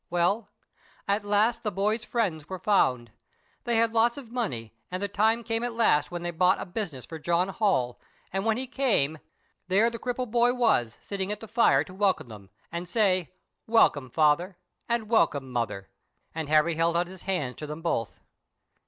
Well, at last the boy's friends were found. They had lots of money, and the time came at last when they bought a business for John Holl; and when he came, there the cripple boy was, sitting at the fire, to welcome them, and say, 'Welcome, father! and welcome, mother!'" and Harry held out his hands to them both.